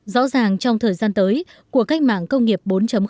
rõ ràng trong thời gian tới của cách mạng công nghiệp bốn